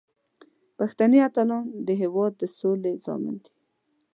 پښتني اتلان د هیواد د سولې ضامن دي.